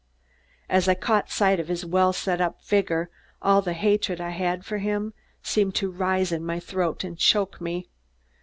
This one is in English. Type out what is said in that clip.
As I caught sight of his well set up figure, all the hatred I had for him seemed to rise in my throat and choke me.